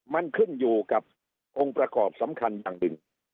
มันขึ้นอยู่กับองค์ประกอบสำคัญอย่างหนึ่ง